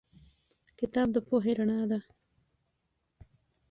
کتاب د پوهې رڼا ده.